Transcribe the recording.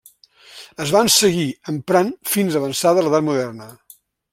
Es van seguir emprant fins avançada l'Edat Moderna.